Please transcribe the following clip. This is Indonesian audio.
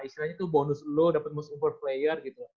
istilahnya tuh bonus lu dapet musim empat player gitu